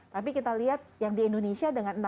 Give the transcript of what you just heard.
tapi kita lihat yang di indonesia dengan enam